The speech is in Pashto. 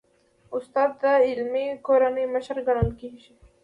استاد د علمي کورنۍ مشر ګڼل کېږي.